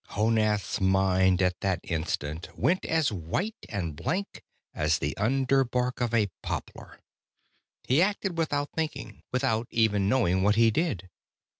Honath's mind at that instant went as white and blank as the under bark of a poplar. He acted without thinking, without even knowing what he did.